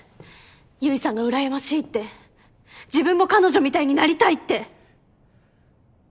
結衣さんが羨ましいって自分も彼女みたいになりたいって。